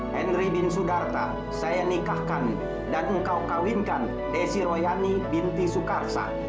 henry bin sudarta saya nikahkan dan engkau kawinkan desi royani binti sukarsa